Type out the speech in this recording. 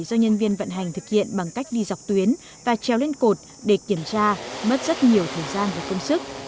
do nhân viên vận hành thực hiện bằng cách đi dọc tuyến và treo lên cột để kiểm tra mất rất nhiều thời gian và công sức